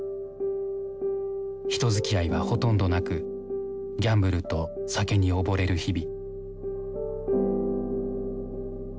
人づきあいはほとんどなくギャンブルと酒に溺れる日々。